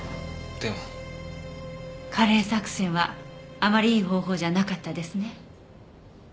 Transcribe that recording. カレー作戦はあまりいい方法じゃなかったですね。